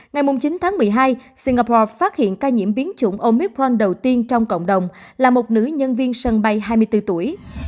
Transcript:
ngày chín tháng một mươi hai singapore phát hiện ca nhiễm biến chủng omicront đầu tiên trong cộng đồng là một nữ nhân viên sân bay hai mươi bốn tuổi